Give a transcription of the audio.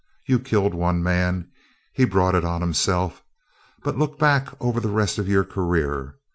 You killed one man he brought it on himself. But look back over the rest of your career.